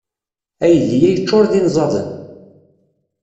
Aydi-a yeččuṛ d inẓaden.